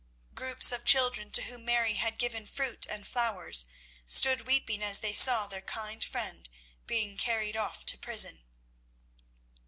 Groups of children, to whom Mary had given fruit and flowers, stood weeping as they saw their kind friend being carried off to prison.